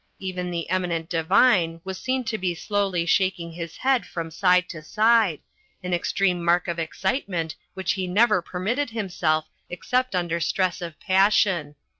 Even The Eminent Divine was seen to be slowly shaking his head from side to side, an extreme mark of excitement which he never permitted himself except under stress of passion.